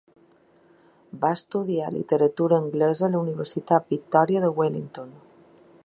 Va estudiar Literatura anglesa a la Universitat Victòria de Wellington.